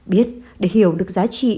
biết để hiểu được giá trị